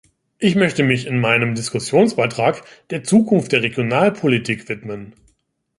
Ich möchte mich in meinem Diskussionsbeitrag der Zukunft der Regionalpolitik widmen.